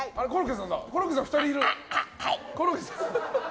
コロッケさんが２人いる！